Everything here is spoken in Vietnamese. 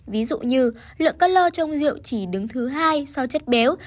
ví dụ như lượng cất lo trong rượu chỉ đứng thứ hai so với chất béo